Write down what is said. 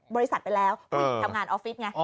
บริษัทไปแล้วทำงานออฟฟิศไง